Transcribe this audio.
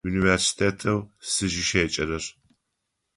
Университетэу сызыщеджэрэр.